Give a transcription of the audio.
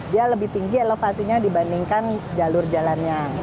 dia lebih tinggi elevasinya dibandingkan jalur jalannya